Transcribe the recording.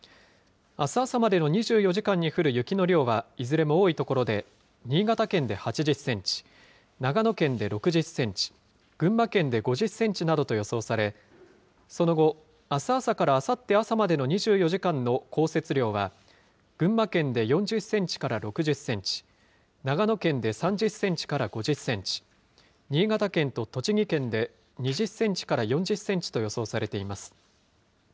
あす朝までの２４時間に降る雪の量はいずれも多い所で、新潟県で８０センチ、長野県で６０センチ、群馬県で５０センチなどと予想され、その後、あす朝からあさって朝までの２４時間の降雪量は、群馬県で４０センチから６０センチ、長野県で３０センチから５０センチ、新潟県と栃木県で２０センチから４０センチと予想されています。